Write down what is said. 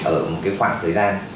ở một cái khoảng thời gian